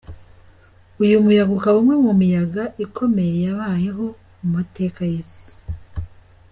Uyu muyaga ukaba umwe mu miyaga ikomeye yabayeho mu mateka y’isi.